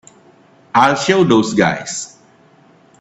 I'll show those guys.